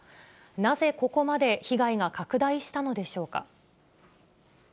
なぜここまで被害が拡大したのでしょうか。